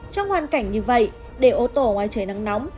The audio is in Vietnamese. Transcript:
trong hoàn cảnh như vậy để ô tô ngoài trời nắng nóng